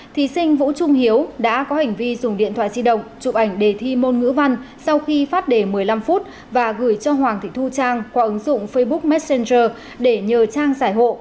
thí sinh vũ trung hiếu đã có hành vi dùng điện thoại di động chụp ảnh đề thi môn ngữ văn sau khi phát đề một mươi năm phút và gửi cho hoàng thị thu trang qua ứng dụng facebook messenger để nhờ trang giải hộ